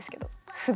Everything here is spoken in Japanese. すごい。